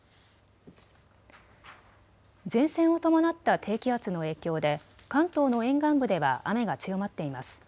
前線を伴った低気圧の影響で関東の沿岸部では雨が強まっています。